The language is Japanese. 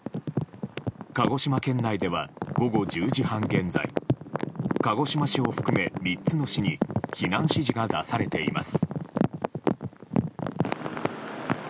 鹿児島県内では午後１０時半現在鹿児島市を含め３つの市に避難指示が出されています。